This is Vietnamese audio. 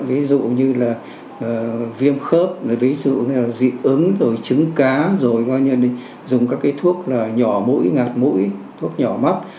ví dụ như viêm khớp dị ứng trứng cá dùng các thuốc nhỏ mũi ngạt mũi thuốc nhỏ mắt